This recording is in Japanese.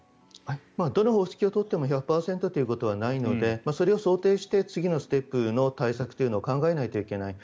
どの方式を取っても１００％ということはないのでそれを想定して次のステップの対策を考えないといけない。